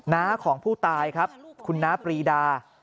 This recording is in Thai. น้าของผู้ตายครับคุณน้าปรีดา